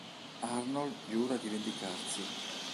Arnold giura di vendicarsi.